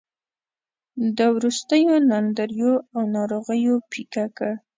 د وروستیو ناندریو او ناروغیو پېکه کړ.